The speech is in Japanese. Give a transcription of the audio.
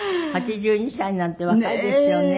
８２歳なんて若いですよね。